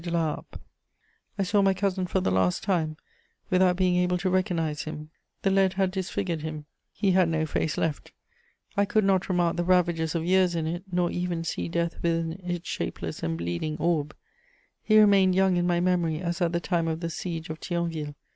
de La Harpe. I saw my cousin for the last time without being able to recognise him: the lead had disfigured him, he had no face left; I could not remark the ravages of years in it, nor even see death within its shapeless and bleeding orb; he remained young in my memory as at the time of the Siege of Thionville.